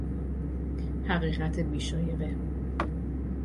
حقیقت بی شایبه